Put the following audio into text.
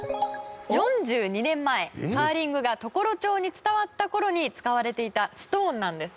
４２年前カーリングが常呂町に伝わった頃に使われていたストーンなんです。